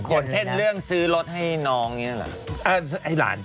อย่างเช่นเรื่องซื้อรถให้น้องนี้หรอ